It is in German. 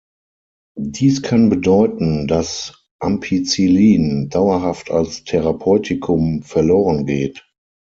Dies kann bedeuten, dass Ampicillin dauerhaft als Therapeutikum verlorengeht.